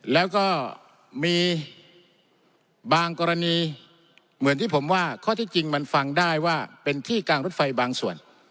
แล้วก็มีบางกรณีเหมือนที่ผมว่าข้อที่จริงมันฟังได้ว่าเป็นที่กางรถไฟบางส่วน